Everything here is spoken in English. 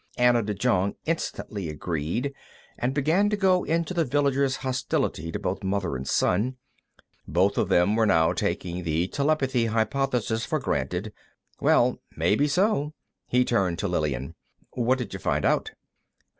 Anna de Jong instantly agreed, and began to go into the villagers' hostility to both mother and son; both of them were now taking the telepathy hypothesis for granted. Well, maybe so. He turned to Lillian. "What did you find out?"